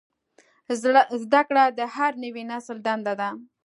زدهکړه د هر نوي نسل دنده ده.